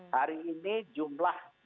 hari ini jumlah